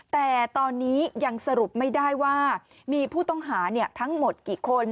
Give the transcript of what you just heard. แต่ตอนนี้ยังสรุปไม่ได้ว่ามีผู้ต้องหาทั้งหมดกี่คน